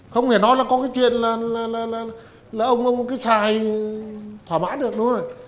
không thể nói là có cái chuyện là ông cứ xài thoải mái được đúng không